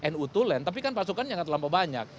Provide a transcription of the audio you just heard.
nu to land tapi kan pasukan yang terlalu banyak